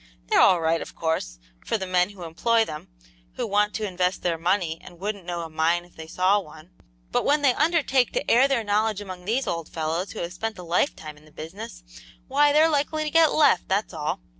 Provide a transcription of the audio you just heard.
They're all right, of course, for the men who employ them, who want to invest their money and wouldn't know a mine if they saw one; but when they undertake to air their knowledge among these old fellows who have spent a lifetime in the business, why, they're likely to get left, that's all.